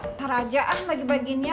ntar aja ah bagi bagiinnya